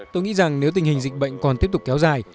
tôi nghĩ rằng nếu tình hình dịch bệnh còn tiếp tục kéo dài